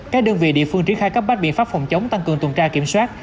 các đơn vị địa phương triển khai các bác biện pháp phòng chống tăng cường tuần tra kiểm soát